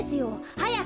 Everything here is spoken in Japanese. はやく！